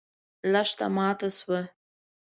لښته ماته شوه.